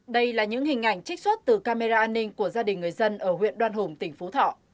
đây là những hình ảnh trích xuất từ camera an ninh của gia đình người dân ở huyện đoan hùng tỉnh phú thọ